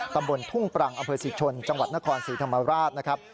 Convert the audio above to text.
ตำบลทุ่งปรังอำเภอศรีชนจังหวัดนครศรีธรรมราชนะครับ